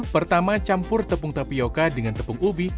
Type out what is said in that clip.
pertama campur tepung tapioca dengan tepung ubi